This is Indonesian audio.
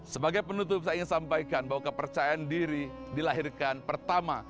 sebagai penutup saya ingin sampaikan bahwa kepercayaan diri dilahirkan pertama